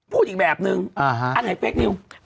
พูดอย่างแบบหนึ่งอ้าฮะอันไหนเฟลกนิวดร์หลังกับผม